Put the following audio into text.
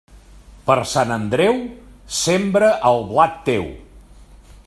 Per Sant Andreu, sembra el blat teu.